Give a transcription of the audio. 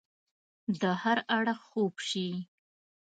د هر اړخ خوب شي